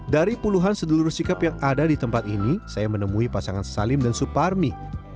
dari puluhan sedulur sikap yang ada di tempat ini saya menemui pasangan salim dan suparmi